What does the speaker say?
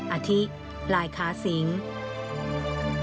อาทิลายค้าสิงศ์